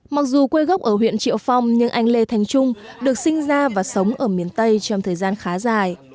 mặc dù quê gốc ở huyện triệu phong nhưng anh lê thành trung được sinh ra và sống ở miền tây trong thời gian khá dài